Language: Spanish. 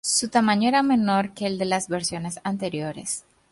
Su tamaño era menor que el de las versiones anteriores.